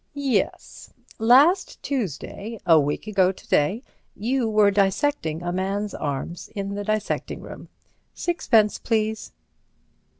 "Yes; last Tuesday, a week ago to day, you were dissecting a man's arms in the dissecting room. Sixpence, please."